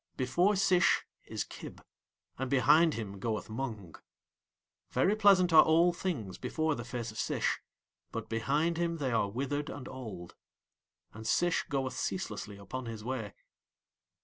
Before Sish is Kib, and behind him goeth Mung. Very pleasant are all things before the face of Sish, but behind him they are withered and old. And Sish goeth ceaselessly upon his way.